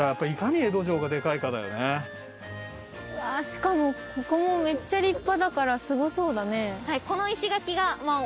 しかもここもめっちゃ立派だからすごそうだね。